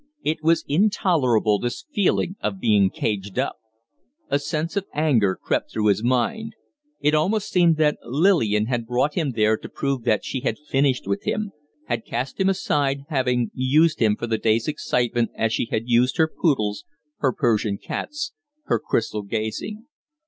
It was intolerable this feeling of being caged up! A sense of anger crept through his mind. It almost seemed that Lillian had brought him there to prove that she had finished with him had cast him aside, having used him for the day's excitement as she had used her poodles, her Persian cats, her crystal gazing.